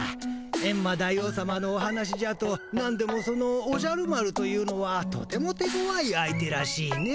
エンマ大王さまのお話じゃとなんでもそのおじゃる丸というのはとても手ごわい相手らしいね。